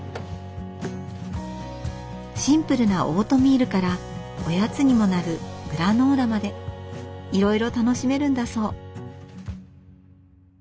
シンプルなオートミールからおやつにもなるグラノーラまでいろいろ楽しめるんだそう。